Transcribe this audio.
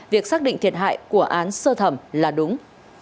việc xác định thiệt hại của án sơ thẩm là đúng